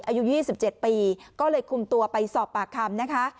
อายุ๒๗ปีก็เลยคุมตัวไปสอบปากคำนะคะ